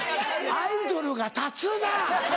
アイドルが立つな！